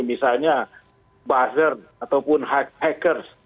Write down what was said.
misalnya buzzer ataupun hacker